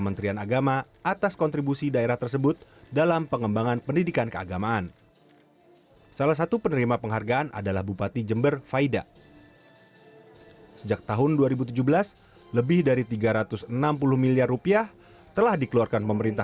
ketua panitia nasional ujian masuk perguruan tinggi keagamaan islam negeri prof dr mahmud menerima penghargaan dari museum rekor indonesia